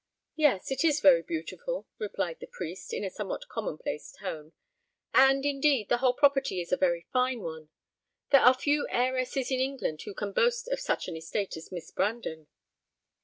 "Yes, it is very beautiful," replied the priest, in a somewhat common place tone; "and, indeed, the whole property is a very fine one. There are few heiresses in England who can boast of such an estate as Miss Brandon."